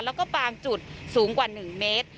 แล้วก็บางจุดสูงกว่า๑เมตร